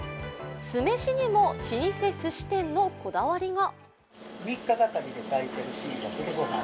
酢飯にも老舗すし店のこだわりが。